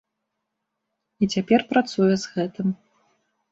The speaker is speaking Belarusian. І цяпер працуе з гэтым.